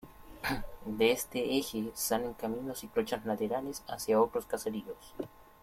De este eje salen caminos y trochas laterales hacia otros caseríos.